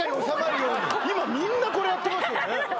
今みんなこれやってますよね